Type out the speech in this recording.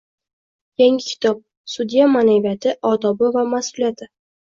Yangi kitob: "Sudya ma’naviyati, odobi va mas’uliyati"